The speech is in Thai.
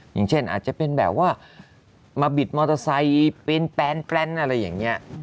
อย่างเช่นอาจจะเป็นแบบว่ามาบิดมอเตอร์ไซค์เป็นแปลนอะไรอย่างนี้